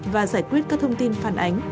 và giải quyết các thông tin phản ánh